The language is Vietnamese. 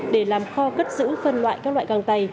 để làm kho cất giữ phân loại các loại găng tay